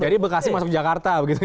jadi bekasi masuk jakarta begitu ya